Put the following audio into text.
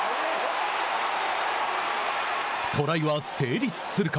トライは成立するか。